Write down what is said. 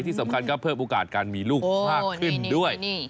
ที่สำคัญก็เพิ่มโอกาสการมีลูกมากขึ้นด้วย